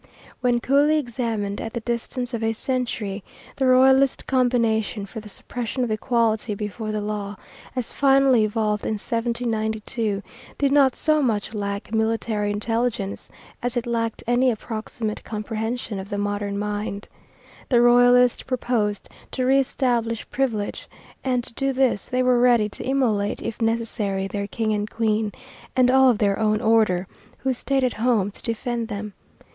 When coolly examined, at the distance of a century, the Royalist combination for the suppression of equality before the law, as finally evolved in 1792, did not so much lack military intelligence, as it lacked any approximate comprehension of the modern mind. The Royalists proposed to reëstablish privilege, and to do this they were ready to immolate, if necessary, their King and Queen, and all of their own order who stayed at home to defend them.